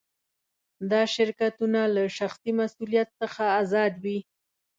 دا شرکتونه له شخصي مسوولیت څخه آزاد وي.